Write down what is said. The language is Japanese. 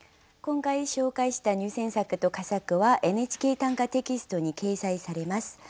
今回紹介した入選作と佳作は「ＮＨＫ短歌」テキストに掲載されます。